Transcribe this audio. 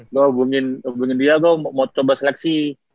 gue hubungin dia gue mau coba seleksi